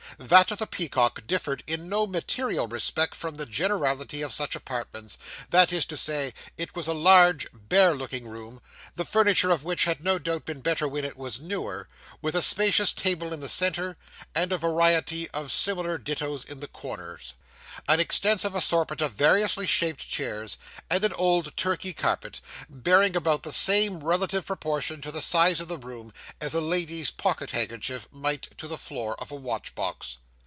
That of the Peacock differed in no material respect from the generality of such apartments; that is to say, it was a large, bare looking room, the furniture of which had no doubt been better when it was newer, with a spacious table in the centre, and a variety of smaller dittos in the corners; an extensive assortment of variously shaped chairs, and an old Turkey carpet, bearing about the same relative proportion to the size of the room, as a lady's pocket handkerchief might to the floor of a watch box.